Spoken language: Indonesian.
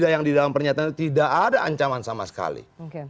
yang di dalam pernyataan itu tidak ada ancaman sama sekali